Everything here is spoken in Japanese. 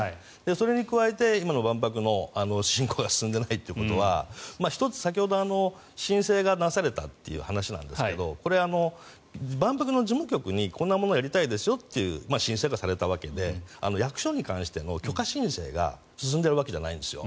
それに加えて今の万博の進行が進んでいないということは１つ、先ほど申請がなされたという話なんですがこれは万博の事務局にこんなものをやりたいですよという申請がされたわけで役所に関しての許可申請が進んでるわけじゃないんです。